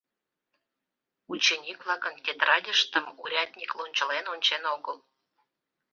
Ученик-влакын тетрадьыштым урядник лончылен ончен огыл.